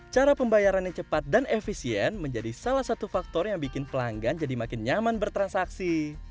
cara pembayaran yang cepat dan efisien menjadi salah satu faktor yang bikin pelanggan jadi makin nyaman bertransaksi